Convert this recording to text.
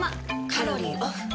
カロリーオフ。